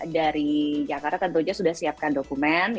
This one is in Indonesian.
dari jakarta tentunya sudah siapkan dokumen